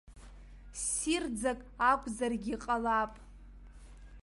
Ссирӡак акәзаргьы ҟалап.